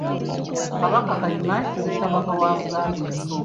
Kabaka Kayima yali Kabaka w Buganda eyasooka.